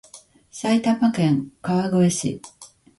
埼玉県川越市